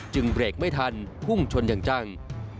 เบรกไม่ทันพุ่งชนอย่างจัง